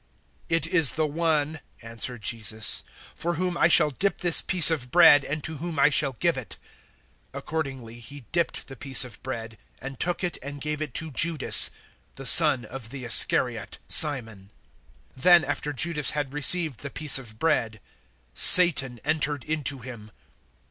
013:026 "It is the one," answered Jesus, "for whom I shall dip this piece of bread and to whom I shall give it." Accordingly He dipped the piece of bread, and took it and gave it to Judas, the son of the Iscariot Simon. 013:027 Then, after Judas had received the piece of bread, Satan entered into him.